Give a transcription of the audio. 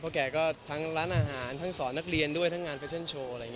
เพราะแกก็ทั้งร้านอาหารทั้งสอนักเรียนด้วยทั้งงานฟิชั่นโชว์